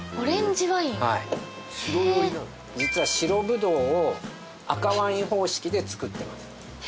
実は白ぶどうを赤ワイン方式で造ってます